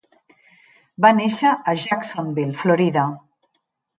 Va néixer a Jacksonville, Florida.